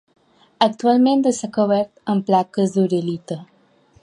Actualment està cobert amb plaques d'uralita.